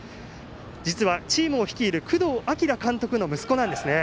実は、チームを率いる工藤明監督の息子なんですね。